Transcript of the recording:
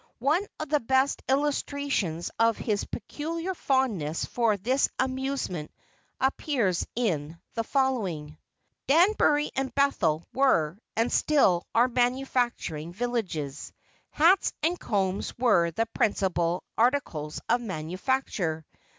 One of the best illustrations of his peculiar fondness for this amusement appears in the following: Danbury and Bethel were and still are manufacturing villages. Hats and combs were the principal articles of manufacture.